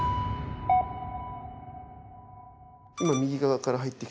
今右側から入ってきてるのが。